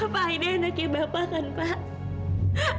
pak ini anaknya bapak kan pak